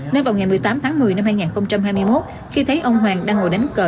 nên vào ngày một mươi tám tháng một mươi năm hai nghìn hai mươi một khi thấy ông hoàng đang ngồi đánh cờ